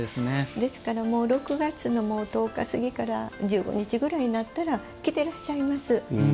ですから、６月の１０日過ぎから１５日ぐらいになったら着ていらっしゃいます。